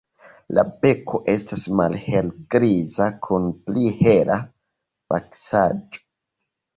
La beko estas malhelgriza kun pli hela vaksaĵo.